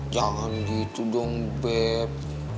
jangan gitu dong beb